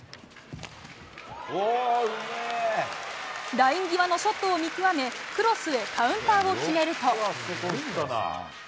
ライン際のショットを見極めクロスへカウンターを決めると。